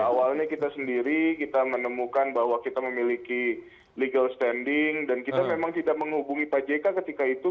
awalnya kita sendiri kita menemukan bahwa kita memiliki legal standing dan kita memang tidak menghubungi pak jk ketika itu